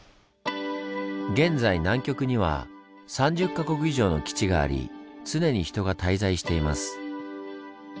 現在南極には３０か国以上の基地があり常に人が滞在しています。